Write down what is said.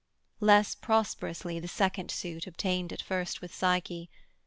Less prosperously the second suit obtained At first with Psyche.